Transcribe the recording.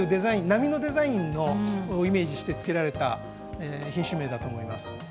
波のデザインをイメージして作られた品種名だと思います。